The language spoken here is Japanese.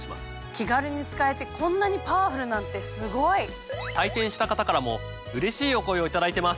気軽に使えてこんなにパワフルなんてすごい！体験した方からもうれしいお声を頂いてます。